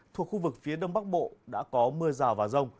thuộc khu vực phía đông bắc bộ đã có mưa rào và rông